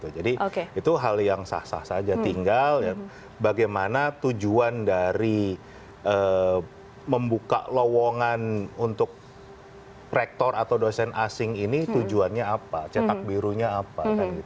jadi itu hal yang sah sah saja tinggal bagaimana tujuan dari membuka lowongan untuk rektor atau dosen asing ini tujuannya apa cetak birunya apa